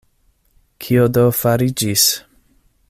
Kio do fariĝis?